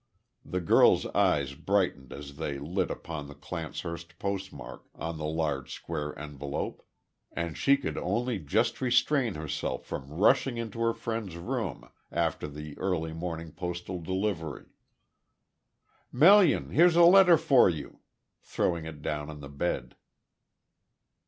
The girl's eyes brightened as they lit upon the Clancehurst postmark on the large square envelope, and she could only just restrain herself from rushing into her friend's room, after the early morning postal delivery. "Melian, here's a letter for you," throwing it down on the bed.